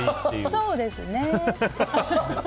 そうですね。